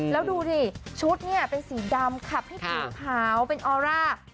แล้วดูดิชุดเนี่ยเป็นสีดำขับให้ผิวขาวเป็นออร่า